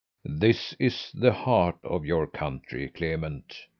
This is the heart of your country, Clement.